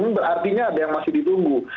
ini berarti ada yang masih ditunggu